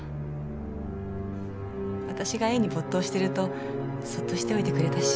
私が絵に没頭してるとそっとしておいてくれたし。